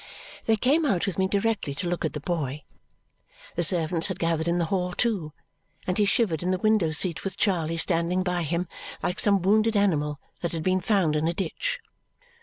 They came out with me directly to look at the boy. The servants had gathered in the hall too, and he shivered in the window seat with Charley standing by him, like some wounded animal that had been found in a ditch.